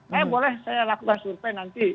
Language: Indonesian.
makanya boleh saya lakukan survei nanti